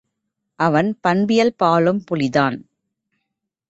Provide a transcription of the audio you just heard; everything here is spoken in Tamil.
அவன், பண்பியல்பாலும் புலிதான்!